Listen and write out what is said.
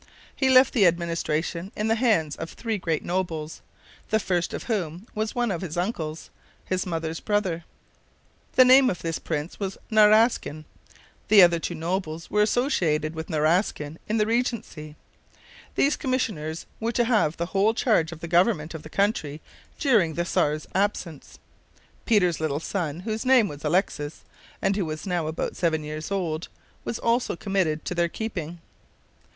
He left the administration in the hands of three great nobles, the first of whom was one of his uncles, his mother's brother. The name of this prince was Naraskin. The other two nobles were associated with Naraskin in the regency. These commissioners were to have the whole charge of the government of the country during the Czar's absence. Peter's little son, whose name was Alexis, and who was now about seven years old, was also committed to their keeping.